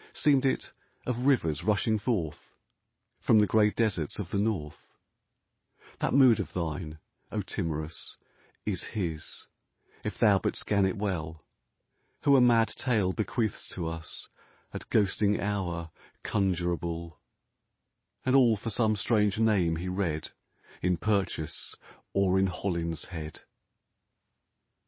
Seemed it of rivers rushing forth From the grey deserts of the north ? That mood of thine, O timorous, Is his, if thou but scan it well. Who a mad tale bequeaths to us At ghosting hour conjurable — And all for some strange name he read In Purchas or in Holinshed.